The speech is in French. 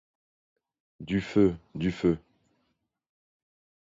Du feu ! du feu !